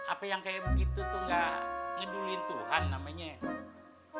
apa yang kayak begitu tuh enggak ngeduliin tuhan namanya